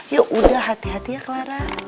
yaudah hati hati ya clara